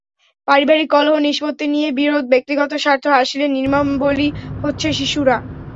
পারিবারিক কলহ, সম্পত্তি নিয়ে বিরোধ, ব্যক্তিগত স্বার্থ হাসিলের নির্মম বলি হচ্ছে শিশুরা।